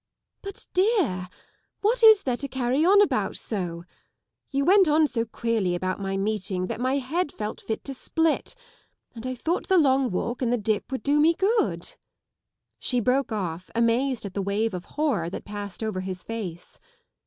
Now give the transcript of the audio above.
" But, dear, what is there to carry on about so? You went on so queer!) about my meeting that my head felt fit to split, and I thought the long walk and the dip would do me good." She broke off, amazed at the wave of horror that passed over his face.